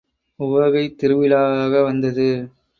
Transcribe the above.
உவகைத் திருவிழாவாக வந்தது.